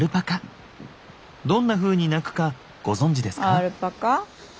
どんなふうに鳴くかご存じですか？